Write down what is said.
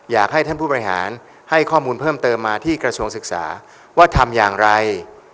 อยากให้ท่านผู้บริหารให้ข้อมูลเพิ่มเติมมาที่กระทรวงศึกษาว่าทำอย่างไร